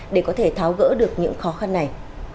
để có thể tháo gỡ được những khó khăn này